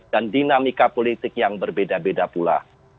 dan dinamika politik yang berbeda beda pula